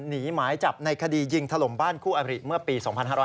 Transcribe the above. หนีหมายจับในคดียิงถล่มบ้านคู่อบริเมื่อปี๒๕๕๙